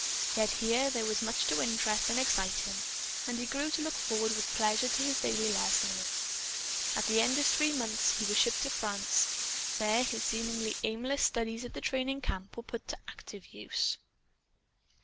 Yet, here, there was much to interest and to excite him. And he grew to look forward with pleasure to his daily lessons. At the end of three months, he was shipped to France. There his seemingly aimless studies at the training camp were put to active use.